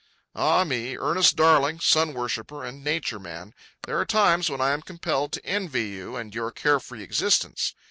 Ah, me, Ernest Darling, sun worshipper and nature man, there are times when I am compelled to envy you and your carefree existence.